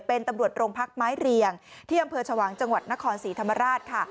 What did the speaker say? เป็นตำรวจโรงพักไม้เรียงที่อำเภอชวางจังหวัดนครศรีธรรมราชค่ะ